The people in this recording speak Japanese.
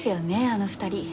あの２人。